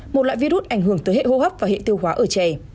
một loại virus ảnh hưởng tới hệ hô hấp và hệ tiêu hóa ở trẻ